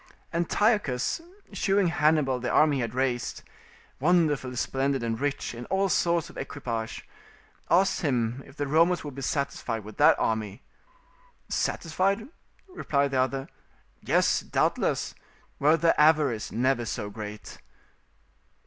Antiochus, shewing Hannibal the army he had raised, wonderfully splendid and rich in all sorts of equipage, asked him if the Romans would be satisfied with that army? "Satisfied," replied the other, "yes, doubtless, were their avarice never so great."